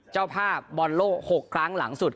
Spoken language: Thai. เจ้าภาพบอลโลก๖ครั้งหลังสุด